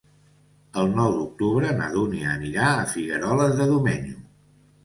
El nou d'octubre na Dúnia anirà a Figueroles de Domenyo.